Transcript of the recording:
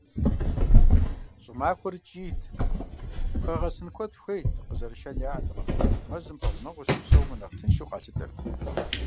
Щӏымахуэр ткӏийт, пхъэ гъэсын куэд хуейт, къызэрашэн яӏэтэкъыми, мэзым пэгъунэгъуу щыпсэумэ нэхъ тыншу къалъытэрт.